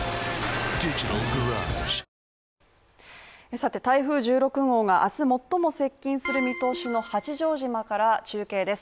さて台風１６号があす最も接近する見通しの八丈島から中継です